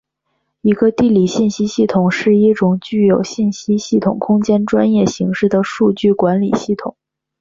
一个地理信息系统是一种具有信息系统空间专业形式的数据管理系统。